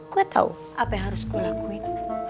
gue tau apa yang harus gue lakuin